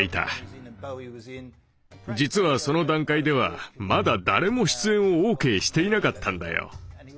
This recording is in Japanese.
実はその段階ではまだ誰も出演をＯＫしていなかったんだよ。